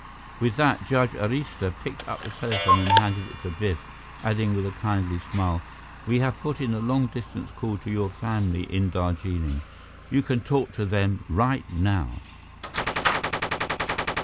With that, Judge Arista picked up the telephone and handed it to Biff, adding with a kindly smile, "We have put in a long distance call to your family in Darjeeling. You can talk to them right now."